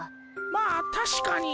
まあたしかに。